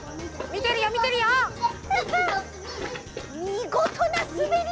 みごとなすべり！